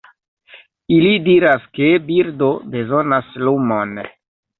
Ili diras ke birdo bezonas lumon.